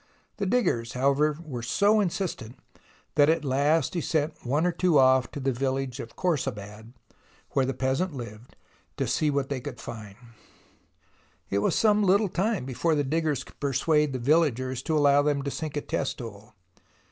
The diggers, however, were so insistent, that at last he sent one or two off to the village of Khorsabad, where the peasant lived, to see what they could find. It was some little time before the diggers could persuade the villagers to allow them to sink a test hole.